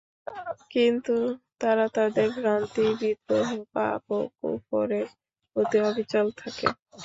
কিন্তু তারা তাদের ভ্রান্তি, বিদ্রোহ, পাপ ও কুফরের প্রতি অবিচল থাকে।